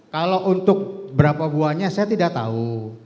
kalau untuk berapa buahnya saya tidak tahu